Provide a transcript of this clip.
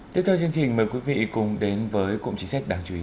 tiếp theo chương trình mời quý vị cùng đến với cụm chính xét đảng chủ yến